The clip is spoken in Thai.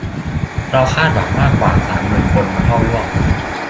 เราคาดหวังมากกว่าสามหมื่นคนมาเข้าร่วม